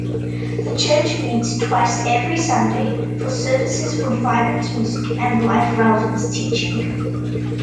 The church meets twice every Sunday for services with vibrant music and life-relevant teaching.